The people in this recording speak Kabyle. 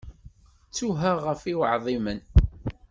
Ttuha ɣef i uɛḍimen.